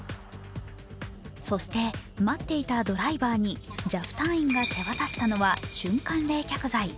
そして、待っていたドライバーにＪＡＦ隊員が手渡したのは瞬間冷却剤。